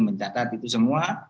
mencatat itu semua